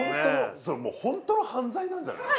それもう本当の犯罪なんじゃない？